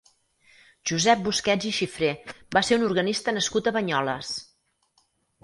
Josep Busquets i Xifré va ser un organista nascut a Banyoles.